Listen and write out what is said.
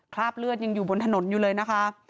คราบเลือดยังอยู่บนถนนอยู่เลยนะคะ